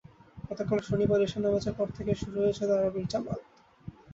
গতকাল শনিবার এশার নামাজের পর থেকেই শুরু হয়েছে তারাবির জামাত।